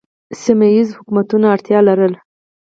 سیمه ییزو حکومتونو اړتیا لرله